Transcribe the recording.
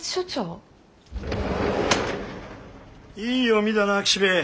いい読みだな岸辺。